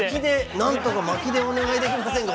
なんとか巻きでお願いできませんか。